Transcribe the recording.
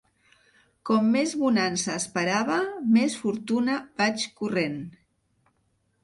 Com més bonança esperava, més fortuna vaig corrent.